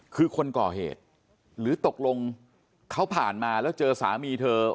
คือคนก่อเหตุหรือตกลงเขาผ่านมาแล้วเจอสามีเธอ